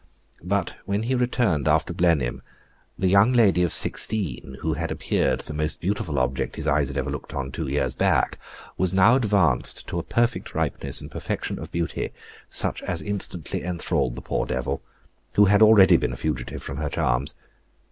But when he returned after Blenheim, the young lady of sixteen, who had appeared the most beautiful object his eyes had ever looked on two years back, was now advanced to a perfect ripeness and perfection of beauty, such as instantly enthralled the poor devil, who had already been a fugitive from her charms.